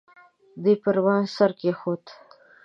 ده پر ما سر کېښود.